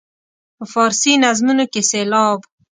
په فارسي نظمونو کې سېلاب.